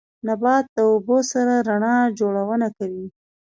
نبات د اوبو سره رڼا جوړونه کوي